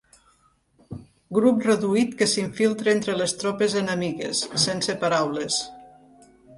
Grup reduït que s'infiltra entre les tropes enemigues, sense paraules.